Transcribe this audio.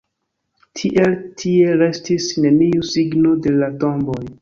Tiel tie restis neniu signo de la tomboj.